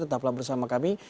tetaplah bersama kami